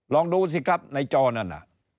ลองดูสิครับในจอนั่นน่ะ